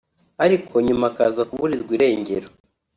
ariko nyuma akaza kuburirwa irengero